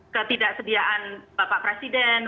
ketidaksediaan bapak presiden